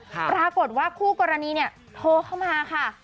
ปรากฏว่าคู่กรณีเนี่ยโทรเข้ามาค่ะ